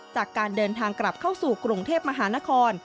จากการเดินทางกลับเข้าสู่กรุงเทพมหานคร